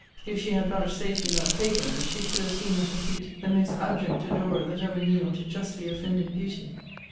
If she had vouchsafed me that favour, she should have seen at her feet the most abject adorer that ever kneeled to justly offended beauty.